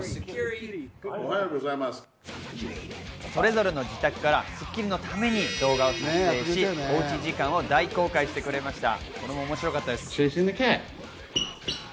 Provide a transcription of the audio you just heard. それぞれの自宅から『スッキリ』のために動画を撮影し、おうち時間を大公開してくれました。